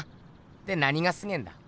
で何がすげえんだ？